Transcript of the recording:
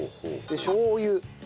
でしょう油。